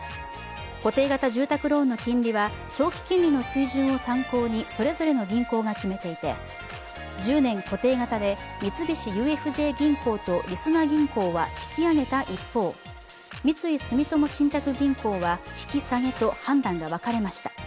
固定型住宅ローンの金利は長期金利の水準を参考にそれぞれの銀行が決めていて１０年固定型で三菱ＵＦＪ銀行とりそな銀行は引き上げた一方三井住友信託銀行は引き下げと判断が分かれました。